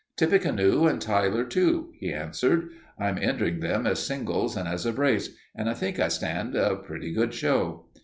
"Tippecanoe and Tyler Too," he answered. "I'm entering them as singles and as a brace, and I think I stand a pretty good show."